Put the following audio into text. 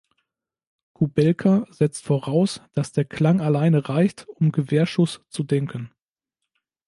Kubelka setzt voraus, dass der Klang alleine reicht, um „Gewehrschuss“ zu denken.